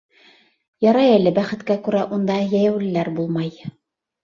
Ярай әле, бәхеткә күрә, унда йәйәүлеләр булмай.